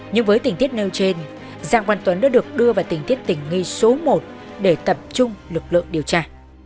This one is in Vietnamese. nhưng với tình tiết nêu trên giang văn tuấn đã được đưa vào tình tiết tình nghi số một để tập trung lực lượng điều tra